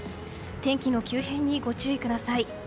天気の急変にご注意ください。